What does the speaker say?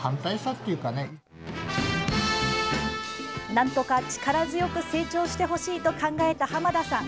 なんとか力強く成長してほしいと考えた濱田さん。